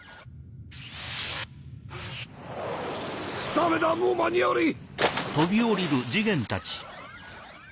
ダメだもう間に合わねえ！